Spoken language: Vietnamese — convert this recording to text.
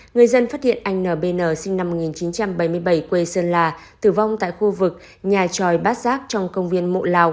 người dân phát hiện anh nbn sinh năm một nghìn chín trăm bảy mươi bảy quê sơn la tử vong tại khu vực nhà tròi bát giác trong công viên mộ lào